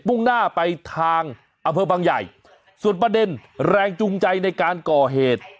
่งหน้าไปทางอำเภอบางใหญ่ส่วนประเด็นแรงจูงใจในการก่อเหตุ